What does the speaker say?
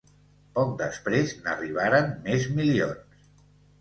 Poc després n’arribaran més milions.